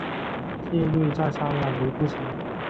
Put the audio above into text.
谢端再三挽留不成。